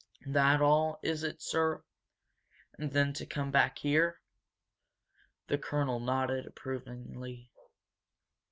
That all, is it, sir? And then to come back here?" The colonel nodded approvingly.